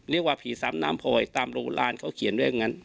เรียกว่าผีซ้ำน้ำพลอยตามโรงอลานเขาเขียนด้วยอย่างนั้น